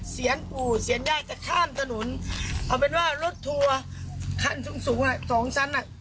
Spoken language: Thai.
เสียงปู่เสียงย่าจะข้ามถนนเอาเป็นว่ารถทัวร์ขันสูงสองสั้น